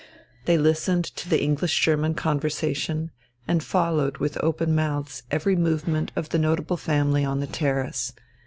They listened to the English German conversation and followed with open mouths every movement of the notable family on the terrace.